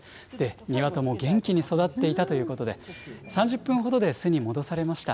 ２羽とも元気に育っていたということで、３０分ほどで巣に戻されました。